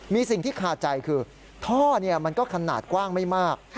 มีสิ่งที่คาใจคือท่อมันก็ขนาดกว้างไม่มาก